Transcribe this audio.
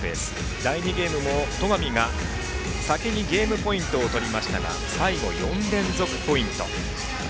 第２ゲームも戸上が先にゲームポイントを取りましたが最後、４連続ポイント。